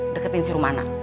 deketin si romana